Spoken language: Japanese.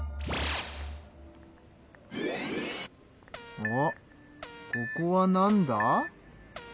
おっここはなんだ？